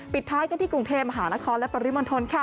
ท้ายกันที่กรุงเทพมหานครและปริมณฑลค่ะ